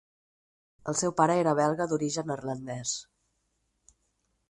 El seu pare era belga d'origen neerlandès.